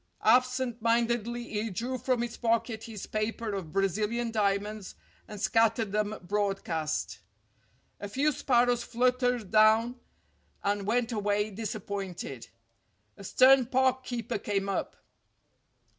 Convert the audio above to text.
Absent mindedly he drew from his pocket his paper of 312 STORIES WITHOUT TEARS Brazilian diamonds and scattered them broadcast. A few sparrows fluttered down and went away disap pointed. A stern park keeper came up.